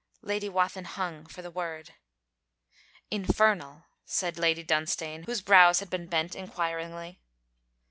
Lady Wathin hung for the word. 'Infernal,' said Lady Dunstane, whose brows had been bent inquiringly.